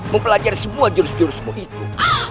mempelajari semua jurus jurusmu itu